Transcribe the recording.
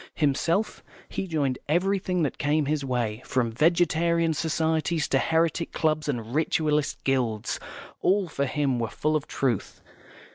Himself, he joined everything that came his way, from Vegetarian Societies to Heretic Clubs and Ritualist Guilds; all, for him, were full of truth.